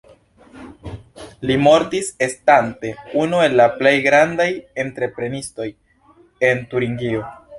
Li mortis estante unu el la plej grandaj entreprenistoj en Turingio.